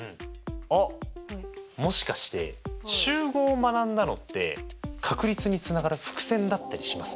あっもしかして集合を学んだのって確率につながる伏線だったりします？